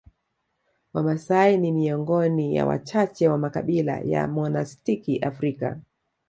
Wamasai ni miongoni ya wachache wa makabila ya Monastiki Afrika